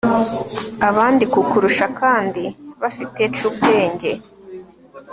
Abandi kukurushakandi bafite cubwenge